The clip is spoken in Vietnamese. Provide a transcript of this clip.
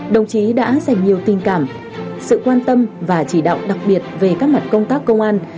đồng chí đã dành nhiều tình cảm sự quan tâm và chỉ đạo đặc biệt về các mặt công tác công an